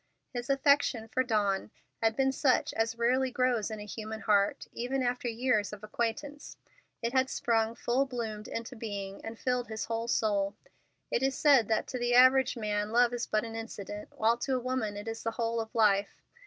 His affection for Dawn had been such as rarely grows in a human heart, even after years of acquaintance. It had sprung full bloomed into being, and filled his whole soul. It is said that to the average man love is but an incident, while to a woman it is the whole of life.